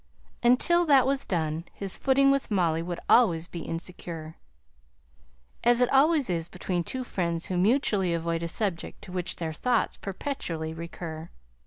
Until that was done, his footing with Molly would always be insecure; as it always is between two friends, who mutually avoid a subject to which their thoughts perpetually recur.